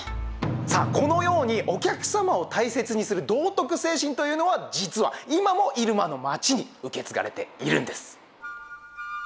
さあこのようにお客様を大切にする道徳精神というのは実は今も入間の町に受け継がれているんです。